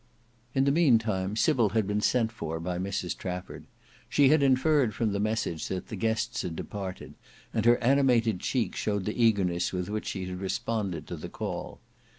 In the meantime, Sybil had been sent for by Mrs Trafford. She had inferred from the message that the guests had departed, and her animated cheek showed the eagerness with which she had responded to the call.